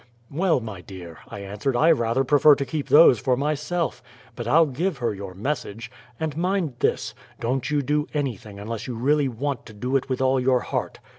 "Well, my dear," I answered, "I rather prefer to keep THOSE for myself. But I'll give her your message. And mind this don't you do anything unless you really want to do it with all your heart.